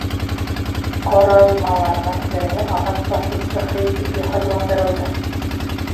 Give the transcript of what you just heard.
Ҡоролмаларҙың береһе ағас бысыу цехы итеп йыһазландырылды.